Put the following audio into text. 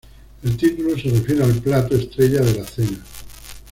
El título se refiere al plato estrella de la cena.